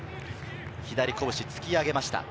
左拳を突き上げました。